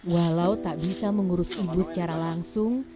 walau tak bisa mengurus ibu secara langsung